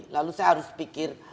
lalu saya harus pikir